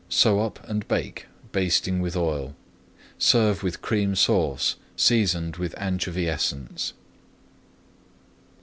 Sew up and bake, basting with oil. Serve with Cream Sauce, seasoned with anchovy essence.